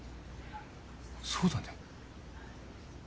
そうだね